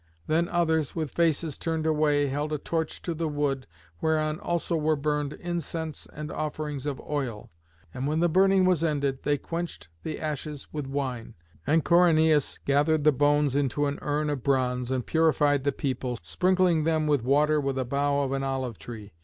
Then others, with faces turned away, held a torch to the wood, whereon also were burned incense and offerings of oil. And when the burning was ended they quenched the ashes with wine. And Corynæus gathered the bones into an urn of bronze, and purified the people, sprinkling them with water with a bough of an olive tree.